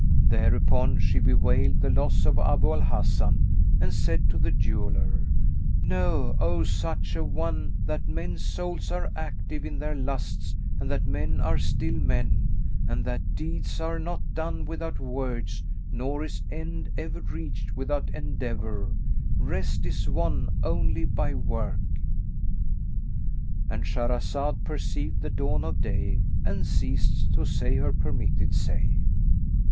Thereupon she bewailed the loss of Abu al Hasan and said to the jeweller, "Know, O such an one,[FN#209] that men's souls are active in their lusts and that men are still men; and that deeds are not done without words nor is end ever reached without endeavour. Rest is won only by work."—And Shahrazad perceived the dawn of day and ceased to say her permitted say.